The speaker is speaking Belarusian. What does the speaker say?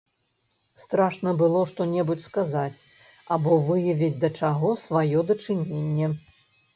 Страшна было што-небудзь сказаць або выявіць да чаго сваё дачыненне.